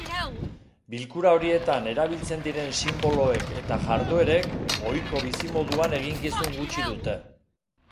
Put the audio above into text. Bilkura horietan erabiltzen diren sinboloek eta jarduerek, ohiko bizimoduan eginkizun gutxi dute.